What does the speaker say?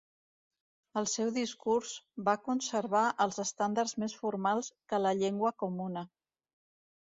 El seu discurs va conservar els estàndards més formals que la llengua comuna.